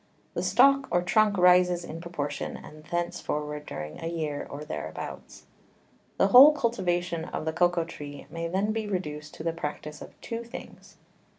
The Stalk or Trunk rises in proportion, and thence forward during a Year, or thereabouts. The whole Cultivation of the Cocao Tree may then be reduced to the Practice of two Things.